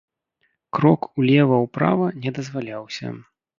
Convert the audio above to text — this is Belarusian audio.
Крок улева-ўправа не дазваляўся.